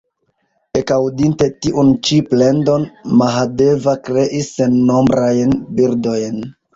Ekaŭdinte tiun ĉi plendon, Mahadeva kreis sennombrajn birdojn.